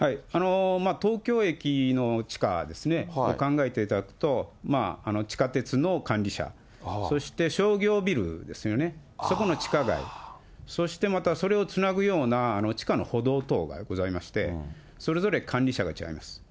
東京駅の地下ですね、考えていただくと、地下鉄の管理者、そして商業ビルですよね、そこの地下街、そしてまたそれをつなぐような地下の歩道等がございまして、それぞれ管理者が違います。